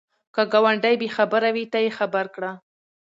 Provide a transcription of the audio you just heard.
که ګاونډی بې خبره وي، ته یې خبر کړه